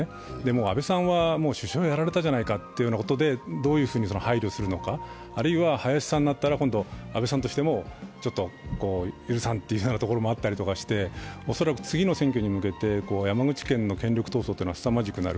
安倍さんはもう首相をやられたじゃないかということで、どう排除するのか、あるいは林さんになったら、安倍さんとしてもちょっと許さんというのがあったりして恐らく次の選挙に向けて山口県の権力闘争はすさまじくなる。